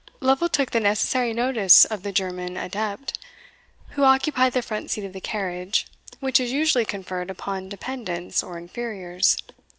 Lovel took the necessary notice of the German adept, who occupied the front seat of the carriage, which is usually conferred upon dependants or inferiors.